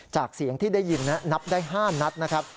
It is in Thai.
จากเสียงที่ได้ยินนับได้๕นัดนะครับ